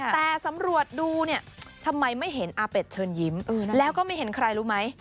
แต่สำรวจดูเนี่ยทำไมไม่เห็นอาเป็ดเชิญยิ้มแล้วก็ไม่เห็นใครรู้ไหม